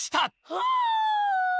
はあ！